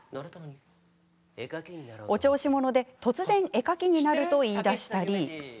お調子者で、突然絵描きになると言いだしたり。